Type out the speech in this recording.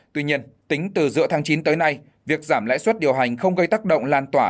tuy nhiên tính từ giữa tháng chín tới nay việc giảm lãi suất điều hành không gây tác động lan tỏa